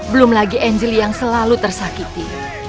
belum lagi angeli yang selalu tersakiti